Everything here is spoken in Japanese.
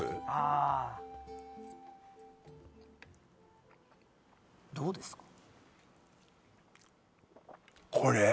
あどうですか？